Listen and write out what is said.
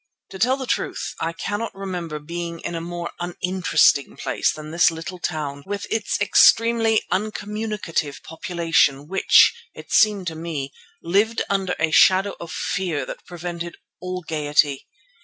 To tell the truth I cannot remember being in a more uninteresting place than this little town with its extremely uncommunicative population which, it seemed to me, lived under a shadow of fear that prevented all gaiety.